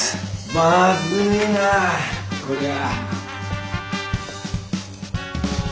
まずいなこりゃあ。